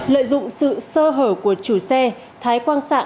lợi dụng sự sơ hở của chủ xe thái quang xạ